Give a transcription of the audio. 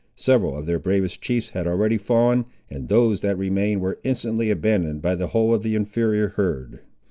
Several of their bravest chiefs had already fallen, and those that remained were instantly abandoned by the whole of the inferior herd.